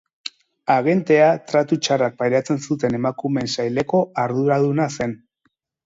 Agentea tratu txarrak pairatzen zuten emakumeen saileko arduraduna zen.